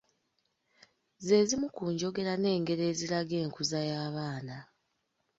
Ze zimu ku njogera n’engero eziraga enkuza y’abaana.